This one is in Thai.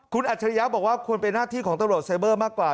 คุณอัจฉริยะบอกว่าควรเป็นหน้าที่ของตำรวจไซเบอร์มากกว่า